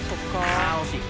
あぁ惜しい。